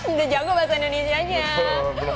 sudah jangkau bahasa indonesia nya